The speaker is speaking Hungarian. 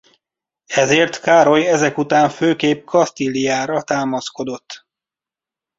Ezért Károly ezek után főképp Kasztíliára támaszkodott.